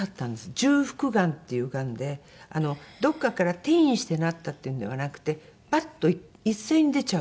重複がんっていうがんでどこかから転移してなったっていうのではなくてパッと一斉に出ちゃう。